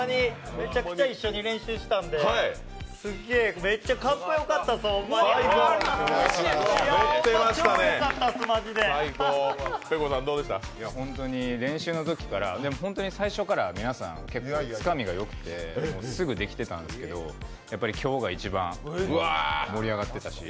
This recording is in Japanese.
めちゃくちゃ一緒に練習したんで、すっげぇ、めっちゃかっこよかった本当に練習のときから、最初から皆さん、結構つかみがよくてすぐできてたんすけど、やっぱり今日が一番盛り上がってたし。